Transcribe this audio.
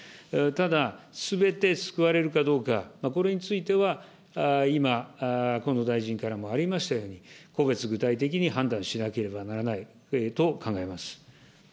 ただ、すべて救われるかどうか、これについては今、河野大臣からもありましたように、個別具体的に判断しなければならないと考えます。